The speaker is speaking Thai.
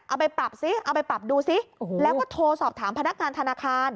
เอาไปปรับซิเอาไปปรับดูซิแล้วก็โทรสอบถามพนักงานธนาคาร